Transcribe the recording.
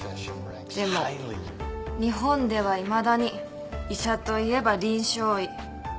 でも日本ではいまだに医者といえば臨床医。